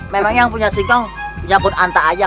memang yang punya singkong punya put antah aja